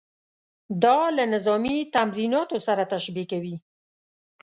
دا له نظامي تمریناتو سره تشبیه کوي.